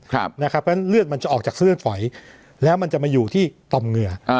เพราะฉะนั้นเลือดมันจะออกจากเส้นเลือดฝอยแล้วมันจะมาอยู่ที่ต่อมเหงื่อ